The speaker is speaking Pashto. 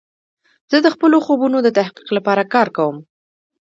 زه د خپلو خوبونو د تحقق لپاره کار کوم.